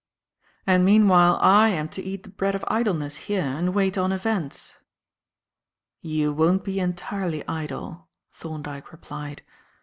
"And, meanwhile, I am to eat the bread of idleness here and wait on events." "You won't be entirely idle," Thorndyke replied.